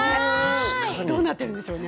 どうなっているんでしょうね